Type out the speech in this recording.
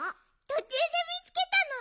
とちゅうでみつけたの。